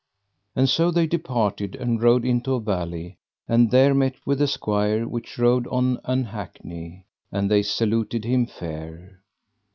And so they departed and rode into a valley, and there met with a squire which rode on an hackney, and they saluted him fair.